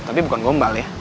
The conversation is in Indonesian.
tapi bukan gombal ya